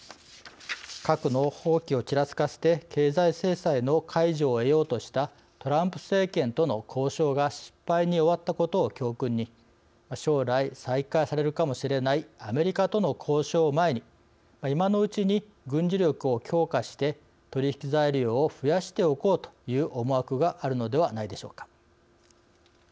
核の放棄をちらつかせて経済制裁の解除を得ようとしたトランプ政権との交渉が失敗に終わったことを教訓に将来、再開されるかもしれないアメリカとの交渉を前に今のうちに軍事力を強化して取り引き材料を増やしておこうという思惑があるのではないでしょうか。